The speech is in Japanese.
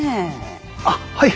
あっはい。